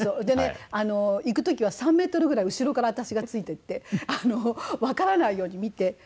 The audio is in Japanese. でね行く時は３メートルぐらい後ろから私がついていってわからないように見て。